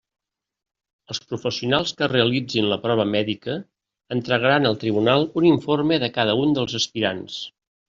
Els professionals que realitzin la prova mèdica entregaran al tribunal un informe de cada un dels aspirants.